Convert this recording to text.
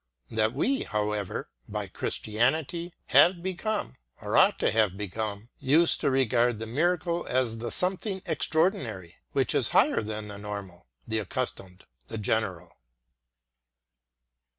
. that we, how ever, by Christianity, have become ŌĆö or ought to have become ŌĆö used to regard the miracle as the something extraordinary which is higher than the normal, the accustomed, the general